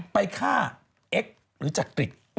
ไปฆ่าเอ็กซ์หรือจักริต